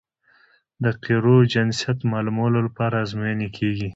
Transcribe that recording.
د قیرو جنسیت معلومولو لپاره ازموینې کیږي